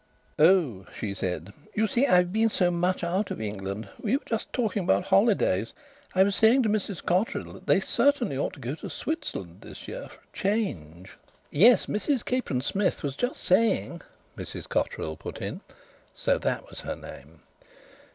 "Oh!" she said. "You see I've been so much out of England. We were just talking about holidays. I was saying to Mrs Cotterill they certainly ought to go to Switzerland this year for a change." "Yes, Mrs Capron Smith was just saying " Mrs Cotterill put in. (So that was her name.)